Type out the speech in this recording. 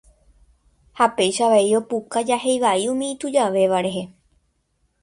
ha péicha avei opuka jahéi vai umi itujavéva rehe.